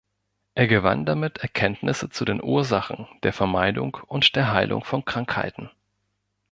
Er gewann damit Erkenntnisse zu den Ursachen, der Vermeidung und der Heilung von Krankheiten.